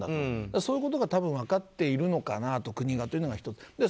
そういうことを、国が分かっているのかなというのが１つ。